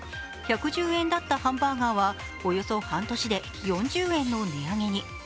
１１０円だったハンバーガーはおよそ半年で４０円の値上げに。